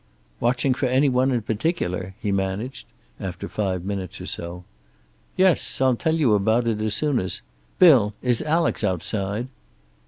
"Watching for any one in particular?" he managed, after five minutes or so. "Yes. I'll tell you about it as soon as Bill! Is Alex outside?"